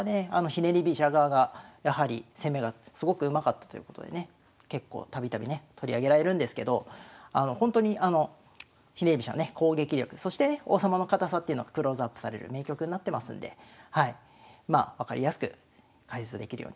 ひねり飛車側がやはり攻めがすごくうまかったということでね結構度々ね取り上げられるんですけどほんとにあのひねり飛車のね攻撃力そしてね王様の堅さっていうのがクローズアップされる名局になってますんでまあ分かりやすく解説できるように頑張っていきます。